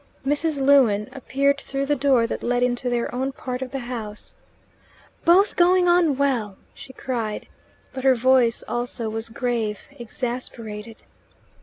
Mrs. Lewin appeared through the door that led into their own part of the house. "Both going on well!" she cried; but her voice also was grave, exasperated.